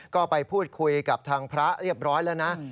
ก็ไปพูดคุยกับทางพระเรียบร้อยแล้วนะ